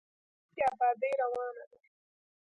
لاندې ابادي روانه ده.